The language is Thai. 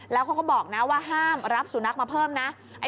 แล้วเขาก็บอกนะว่าห้ามรับสุนัขมาเพิ่มนะ